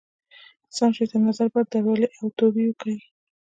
سم شی تر نظر بد درولئ او توبې وکاږئ.